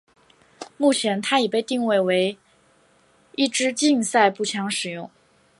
目前它已被定位为一枝竞赛步枪使用。